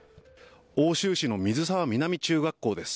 奥州市の水沢南中学校です。